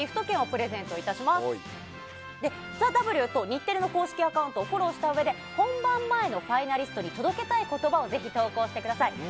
ＴＨＥＷと日テレの公式アカウントをフォローしたうえで、本番前のファイナリストの届けたいことばをぜひ投稿してください。＃